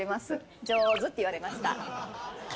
上手って言われました。